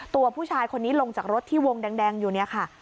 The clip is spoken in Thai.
ตัวผู้ชายคนนี้ลงจากรถที่วงแดงอยู่เนี่ยค่ะ